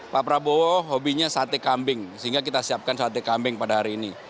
pak prabowo hobinya sate kambing sehingga kita siapkan sate kambing pada hari ini